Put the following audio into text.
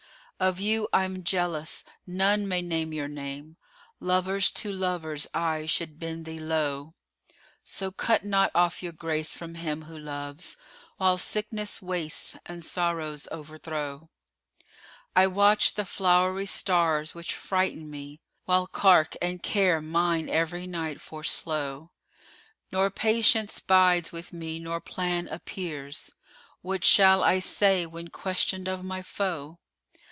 Of you I'm jealous: none may name your name: * Lovers to lovers aye should bend thee low: So cut not off your grace from him who loves * While sickness wastes and sorrows overthrow. I watch the flowery stars which frighten me; * While cark and care mine every night foreslow. Nor Patience bides with me nor plan appears: * What shall I say when questioned of my foe?